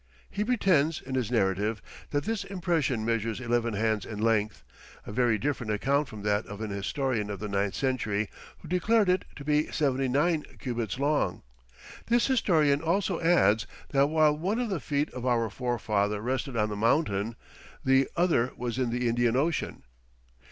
He pretends, in his narrative, that this impression measures eleven hands in length, a very different account from that of an historian of the ninth century, who declared it to be seventy nine cubits long! This historian also adds that while one of the feet of our forefather rested on the mountain, the other was in the Indian ocean.